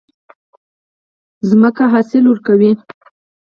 ځمکه حاصل ورکوي.